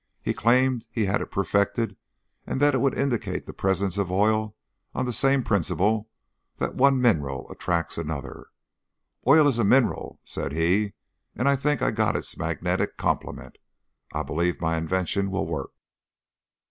He claimed he had it perfected and that it would indicate the presence of oil on the same principle that one mineral attracts another. 'Oil is a mineral,' said he, 'and I think I've got its magnetic complement. I believe my invention will work.'